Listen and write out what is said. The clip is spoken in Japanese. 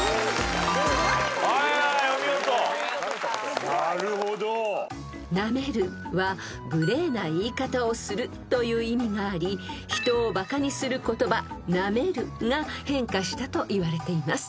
［「無礼る」は無礼な言い方をするという意味があり人をバカにする言葉「舐める」が変化したといわれています］